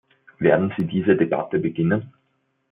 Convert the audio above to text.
Werden Sie diese Debatte beginnen?